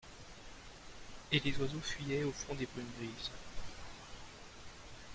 Et les oiseaux fuyaient au fond des brumes grises.